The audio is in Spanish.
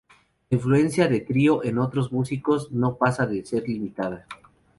La influencia de Trio en otros músicos no pasa de ser limitada.